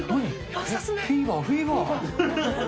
フィーバー、フィーバー。